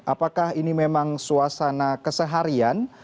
apakah ini memang suasana keseharian